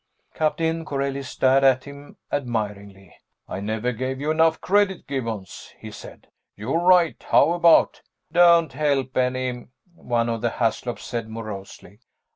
Captain Corelli stared at him admiringly. "I never gave you enough credit, Gibbons," he said. "You're right! How about " "Don't help any," one of the Haslops said morosely.